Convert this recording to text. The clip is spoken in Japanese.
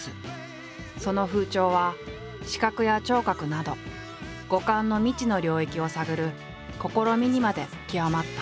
その風潮は視覚や聴覚など五感の未知の領域を探る試みにまで極まった。